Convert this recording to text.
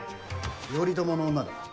頼朝の女だ。